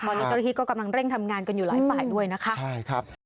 หมอนกระทิกก็กำลังเร่งทำงานกันอยู่หลายป่ายด้วยนะครับใช่ครับ